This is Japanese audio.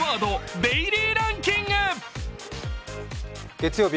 月曜日